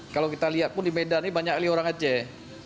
kalau kita lihat pun di medan ini banyak kali orang aceh